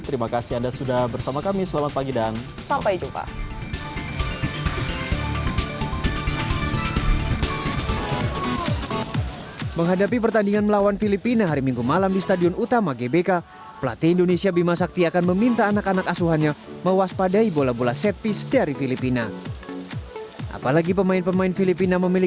terima kasih anda sudah bersama kami selamat pagi dan sampai jumpa